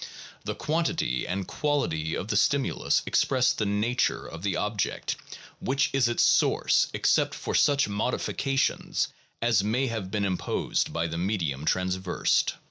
The quantity and quality of the stimulus express the nature of the object which is its source except for such modifications as may have been imposed by the medium traversed.